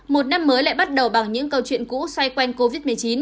một năm mới lại bắt đầu bằng những câu chuyện cũ xoay quanh covid một mươi chín